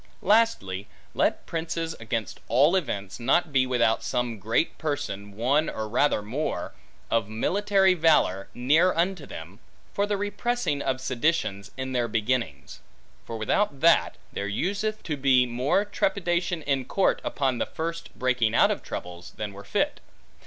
Lastly, let princes, against all events, not be without some great person, one or rather more, of military valor, near unto them, for the repressing of seditions in their beginnings. For without that, there useth to be more trepidation in court upon the first breaking out of troubles, than were fit.